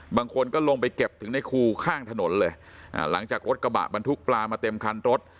บางคนก็ลงไปเก็บถึงในคูข้างถนนเลยอ่าหลังจากรถกระบะบรรทุกปลามาเต็มคันรถ